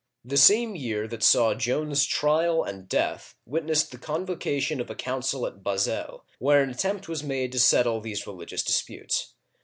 The same year that saw Joan*s trial and death witnessed the convocation of a coun cil at Basel (ba'zel), where an attempt was made to settle these religious disputes.